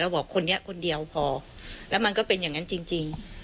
บอกคนนี้คนเดียวพอแล้วมันก็เป็นอย่างนั้นจริง